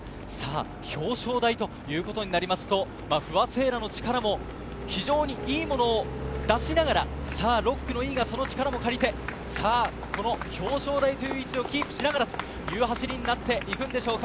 表彰台となると不破聖衣来の力も非常にいいものを出しながら６区の伊井がその力を借りて表彰台という位置をキープしながらという走りになっていくんでしょうか。